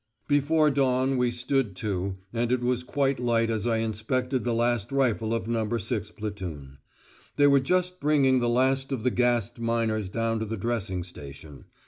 Before dawn we "stood to," and it was quite light as I inspected the last rifle of No. 6 Platoon. They were just bringing the last of the gassed miners down to the dressing station.